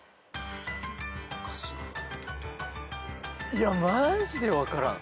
いやマジで分からん。